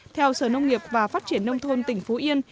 theo sở nông nghiệp và phát triển nông thôn tỉnh phú yên